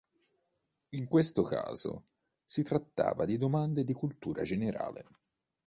In questo caso, si trattava di domande di cultura generale.